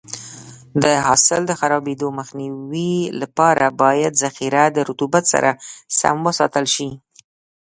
د حاصل د خرابېدو مخنیوي لپاره باید ذخیره د رطوبت سره سم وساتل شي.